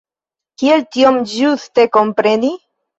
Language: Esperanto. Kiel tion ĝuste kompreni?